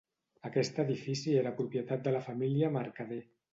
Aquest edifici era propietat de la família Mercader.